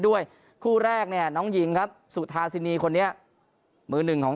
ด้วยคู่แรกเนี่ยน้องหญิงครับสุธาสินีคนนี้มือหนึ่งของ